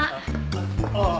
ああ。